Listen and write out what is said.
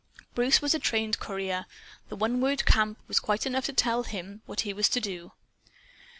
Bruce was a trained courier. The one word "Camp!" was quite enough to tell him what he was to do.